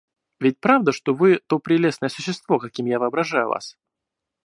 Ведь правда, что вы то прелестное существо, каким я воображаю вас?